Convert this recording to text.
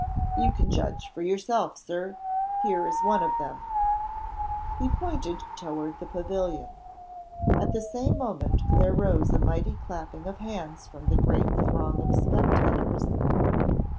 "You can judge for yourself, Sir. Here is one of them." He pointed toward the pavilion. At the same moment there rose a mighty clapping of hands from the great throng of spectators.